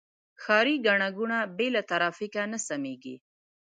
ښاري ګڼه ګوڼه بې له ترافیکه نه سمېږي.